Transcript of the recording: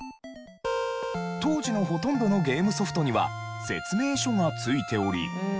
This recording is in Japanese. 当時のほとんどのゲームソフトには説明書が付いており。